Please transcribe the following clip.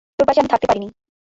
তোর পাশে আমি থাকতে পারিনি।